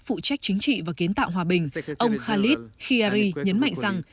phụ trách chính trị và kiến tạo hòa bình ông khalid khiari nhấn mạnh rằng